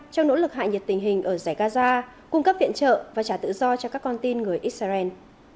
trong nỗ lực hạ nhiệt tình hình ở giải gaza cung cấp viện trợ và trả tự do cho các con tin người israel